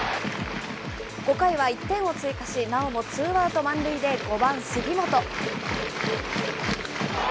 ５回は１点を追加し、なおもツーアウト満塁で５番杉本。